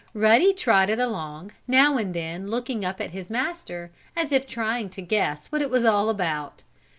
Ruddy trotted along, now and then looking up at his master, as if trying to guess what it was all about.